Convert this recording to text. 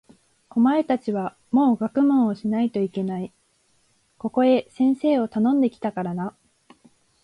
お前たちはもう学問をしないといけない。ここへ先生をたのんで来たからな。